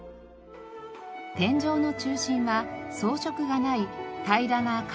天井の中心は装飾がない平らな鏡